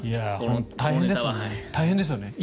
大変ですよね。